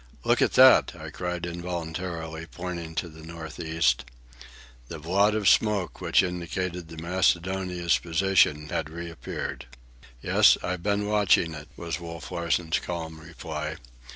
"Look at that!" I cried involuntarily, pointing to the north east. The blot of smoke which indicated the Macedonia's position had reappeared. "Yes, I've been watching it," was Wolf Larsen's calm reply.